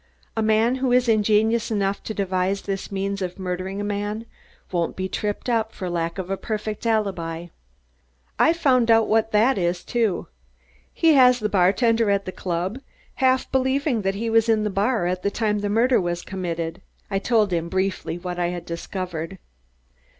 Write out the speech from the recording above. "A man who is ingenious enough to devise this means of murdering a man won't be tripped up for lack of a perfect alibi." "I've found what that is too. He has the bartender at the club half believing that he was in the bar at the time the murder was committed." I told him briefly what I had discovered.